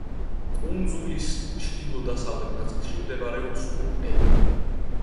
კუნძულის ჩრდილო-დასავლეთ ნაწილში მდებარეობს უბე.